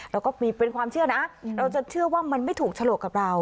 เราก็มีเป็นความเชื่อนะเราจะเชื่อว่ามันไม่ถูกฉลกกับเรา